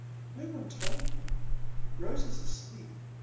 No one told me. Rose is asleep.